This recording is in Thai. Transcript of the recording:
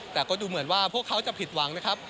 แต่ก็ดูเหมือนว่าพวกเขาจะผิดหวังนะครับ